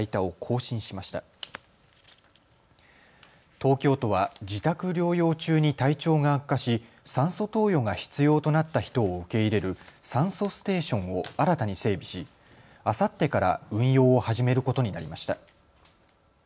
東京都は自宅療養中に体調が悪化し、酸素投与が必要となった人を受け入れる酸素ステーションを新たに整備し、あさってから運用を始めることになりました。